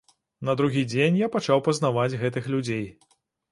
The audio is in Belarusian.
На другі дзень я пачаў пазнаваць гэтых людзей.